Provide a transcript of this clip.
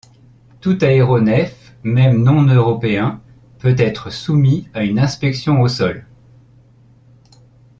Tout aéronef, même non-européen peut être soumis à une inspection au sol.